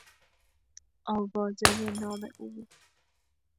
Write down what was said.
آوازهی نام او